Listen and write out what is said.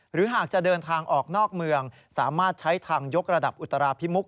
หรือหากจะเดินทางออกนอกเมืองสามารถใช้ทางยกระดับอุตราพิมุก